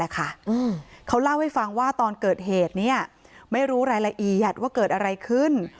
เขาเล่าให้ฟังว่าตอนเกิดเหตุไม่รู้รายละเอียดว่าเกิดอะไรขึ้น